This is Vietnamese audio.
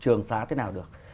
trường xá thế nào được